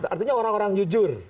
artinya orang orang jujur